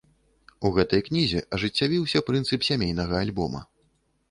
У гэтай кнізе ажыццявіўся прынцып сямейнага альбома.